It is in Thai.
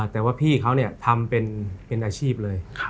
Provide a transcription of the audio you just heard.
แต่ว่าพี่เขาทำเป็นอาชีพเลย